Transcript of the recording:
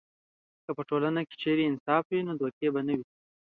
که په ټولنه کې انصاف وي، نو دوکې نه وي.